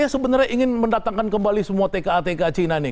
sebenarnya ingin mendatangkan kembali semua tka tka china nih